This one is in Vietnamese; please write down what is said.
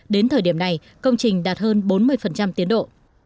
đến thời điểm này công trình đạt hơn bốn mươi tiến độ